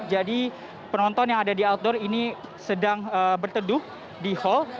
jadi penonton yang ada di outdoor ini sedang berteduh di hall